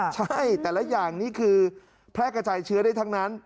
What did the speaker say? ใช่แต่ละอย่างนี้คือแพร่กระจายเชื้อได้ทั้งนั้น